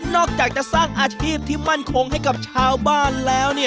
อกจากจะสร้างอาชีพที่มั่นคงให้กับชาวบ้านแล้ว